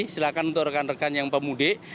silahkan untuk rekan rekan yang pemudik